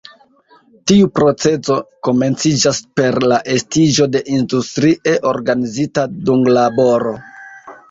Tiu procezo komenciĝas per la estiĝo de industrie organizita dunglaboro.